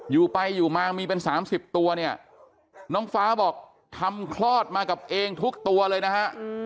อยู่ไปอยู่มามีเป็น๓๐ตัวเนี่ยน้องฟ้าบอกทำคลอดมากับเองทุกตัวเลยนะฮะ